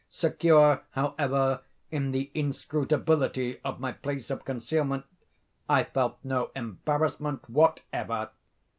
Secure, however, in the inscrutability of my place of concealment, I felt no embarrassment whatever.